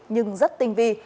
nhưng rất tinh vi